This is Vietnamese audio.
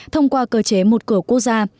thông qua cơ chế một cửa quốc gia